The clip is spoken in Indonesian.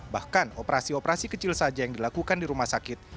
bahkan operasi operasi kecil saja yang dilakukan di rumah sakit